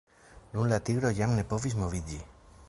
Nun la tigro jam ne povis moviĝi.